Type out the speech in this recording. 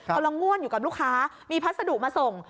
กำลังง่วนอยู่กับลูกค้ามีพัสดุมาส่ง